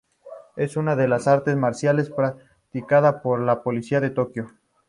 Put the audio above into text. Es una de las artes marciales practicada por la policía de Tokio.